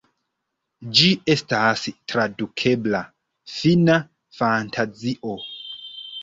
Ĝi estas tradukebla "Fina Fantazio".